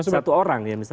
satu orang ya misalnya